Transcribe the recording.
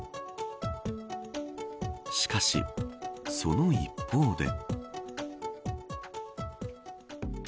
しかし、その一方で。